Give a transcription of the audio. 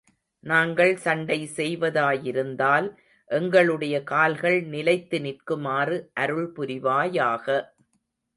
நாங்கள் சண்டை செய்வதாயிருந்தால், எங்களுடைய கால்கள் நிலைத்து நிற்குமாறு அருள் புரிவாயாக.